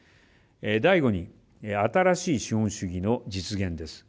第５に新しい資本主義の実現です。